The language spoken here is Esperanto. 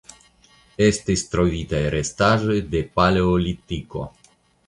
Estis trovitaj restaĵoj de Paleolitiko.